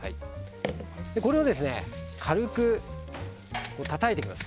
これを軽くたたいていきます